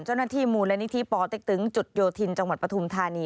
เจ้าหน้าที่มูลนิธิปอเต็กตึงจุดโยธินจังหวัดปฐุมธานี